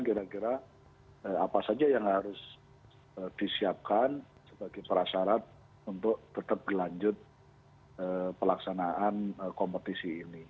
kira kira apa saja yang harus disiapkan sebagai prasyarat untuk tetap berlanjut pelaksanaan kompetisi ini